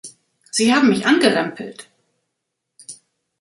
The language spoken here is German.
Sie haben mich angerempelt.